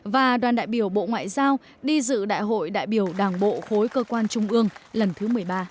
và đoàn đại biểu bộ ngoại giao đi dự đại hội đại biểu đảng bộ khối cơ quan trung ương lần thứ một mươi ba